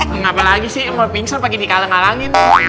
kenapa lagi sih mau pingsan pake di kaleng kalengin